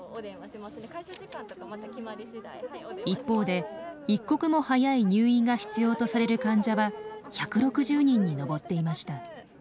一方で一刻も早い入院が必要とされる患者は１６０人に上っていました。